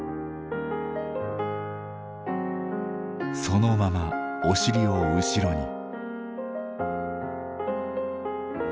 そのままお尻を後ろに。